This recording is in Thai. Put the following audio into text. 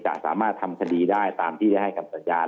สามารถทำคดีได้ตามที่ได้ให้คำสัญญา